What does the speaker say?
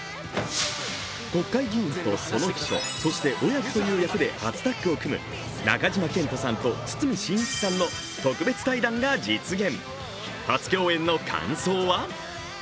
国会議員とその秘書、そして親子という役で初タッグを組む中島健人さんと堤真一さんの特別対談が実現。